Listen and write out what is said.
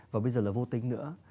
và bây giờ là vô tính nữa